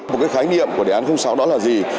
một cái khái niệm của đề án sáu đó là gì